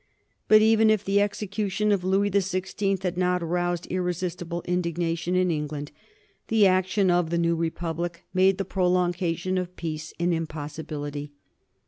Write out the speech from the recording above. But even if the execution of Louis the Sixteenth had not roused irresistible indignation in England the action of the new Republic made the prolongation of peace an impossibility.